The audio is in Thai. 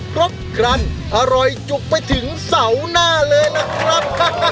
ครบครันอร่อยจุกไปถึงเสาหน้าเลยนะครับ